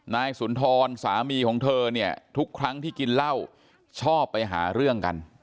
นายสุนทรสามีของเธอเนี่ยทุกครั้งที่กินเหล้าชอบไปหาเรื่องกัน